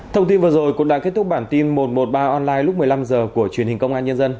thông tin vừa rồi cũng đã kết thúc bản tin một trăm một mươi ba online lúc một mươi năm h của truyền hình công an nhân dân